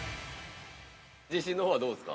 ◆自信のほうはどうですか。